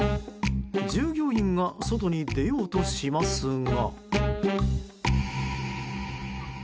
従業員が外に出ようとしますが。